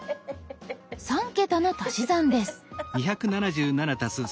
３桁の足し算です。